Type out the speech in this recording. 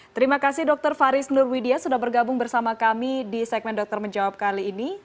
terima kasih dokter faris nurwidia sudah bergabung bersama kami di segmen dokter menjawab kali ini